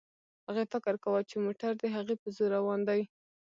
هغې فکر کاوه چې موټر د هغې په زور روان دی.